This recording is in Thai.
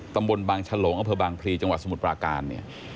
ตำบลบางฉลงอเภอบางพลีจังหวัดสมุทรปราการเนี่ย